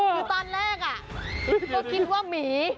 คือตอนแรกก็คิดว่าหมี